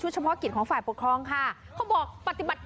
หลบ